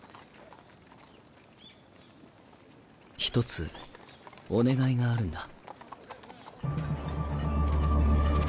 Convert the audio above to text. １つお願いがあるんだ。